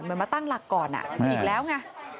เหมือนมาตั้งหลักก่อนอ่ะอีกแล้วไง